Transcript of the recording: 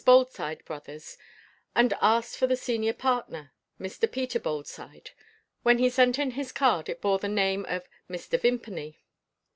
Boldside Brothers, and asked for the senior partner, Mr. Peter Boldside. When he sent in his card, it bore the name of "Mr. Vimpany."